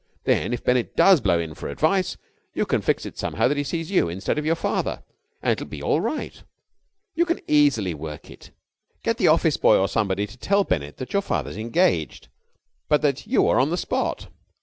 Then, if Bennett does blow in for advice, you can fix it somehow that he sees you instead of your father, and it'll be all right. You can easily work it. Get the office boy or somebody to tell Bennett that your father's engaged, but that you are on the spot.